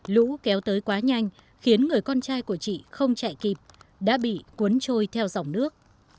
lũ kéo tới quá nhanh khiến người con trai của chị không chạy kịp đã bị cuốn trôi theo dòng nước